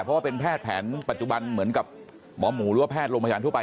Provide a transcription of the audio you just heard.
เพราะว่าเป็นแพทย์แผนปัจจุบันเหมือนกับหมอหมูหรือว่าแพทย์โรงพยาบาลทั่วไป